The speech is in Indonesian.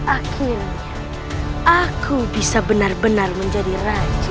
akhirnya aku bisa benar benar menjadi raja